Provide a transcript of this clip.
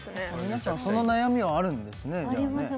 皆さんその悩みはあるんですねあります